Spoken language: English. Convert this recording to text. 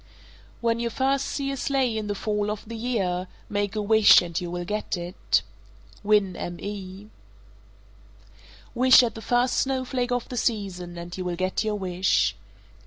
When you first see a sleigh in the fall of the year, make a wish, and you will get it. Winn, Me. 456. Wish at the first snowflake of the season, and you will get your wish.